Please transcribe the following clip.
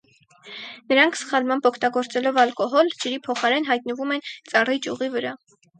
Նրանք սխալմամբ օգտագործելով ալկոհոլ՝ ջրի փոխարեն, հայտնվում են ծառի ճյուղի վրա։